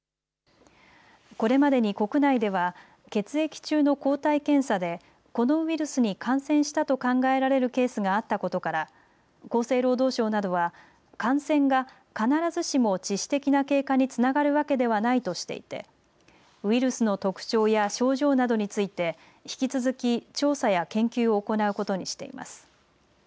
これまでに国内では血液中の抗体検査でこのウイルスに感染したと考えられるケースがあったことから厚生労働省などは感染が必ずしも致死的な経過につながるわけではないとしていてウイルスの特徴や症状などについて引き続き調査や研究を行うことにしています。